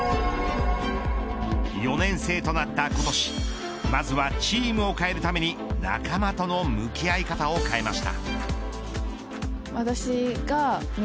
４年生となった今年まずはチームを変えるために仲間との向き合い方を変えました。